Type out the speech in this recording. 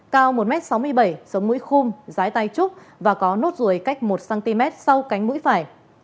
cao một m sáu mươi bảy sống mũi khum dái tay trúc và có nốt rùi cách một cm sau cánh mũi phải